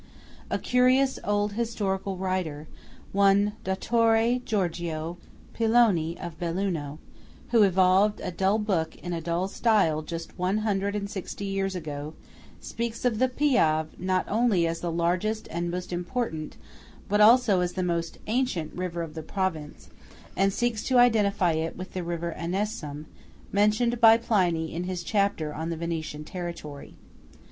A curious old historical writer, one Dottore Giorgio Piloni of Belluno, who evolved a dull book in a dull style just one hundred and sixty years ago, speaks of the Piave not only as the largest and most important, but also as the "most ancient," river of the province, and seeks to identify it with the river Anassum 10 mentioned by Pliny in his chapter on the Venetian territory.